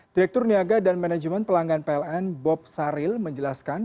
direktur niaga dan manajemen pelanggan pln bob saril menjelaskan